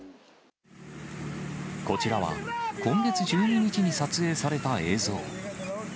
こちらは今月１２日に撮影された映像。